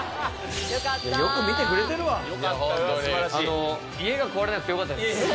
よく見てくれてるわあの家が壊れなくてよかったです